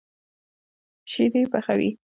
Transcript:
شيدې پخوي.